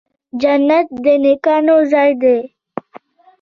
جنت د نیکانو ځای دی